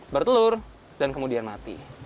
bertelur dan kemudian mati